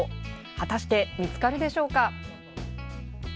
果たして見つかるでしょうか？